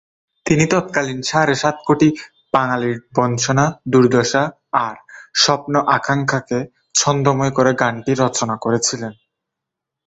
তিনি তৎকালীন সাড়ে সাত কোটি বাঙালির বঞ্চনা-দুর্দশা আর স্বপ্ন-আকাঙ্ক্ষাকে ছন্দময় করে গানটি রচনা করেছিলেন।